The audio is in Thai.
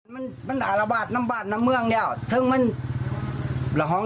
มันมันอารบาทน้ำบาดน้ำเมืองแล้วถึงมันละหอง